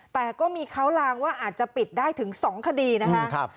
แต่ก็มีเขาลางว่าอาจจะปิดได้ถึง๒คดีนะครับ